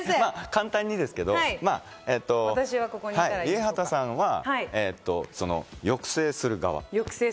簡単にですけど、ＲＩＥＨＡＴＡさんは抑制する側。